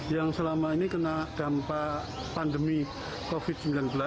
yang selama ini kena dampak pandemi covid sembilan belas